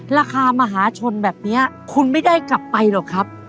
ราคามหาชนแบบนี้คุณไม่ได้กลับไปหรอกครับ